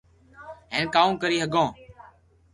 ھين ڪاو ڪري ھگو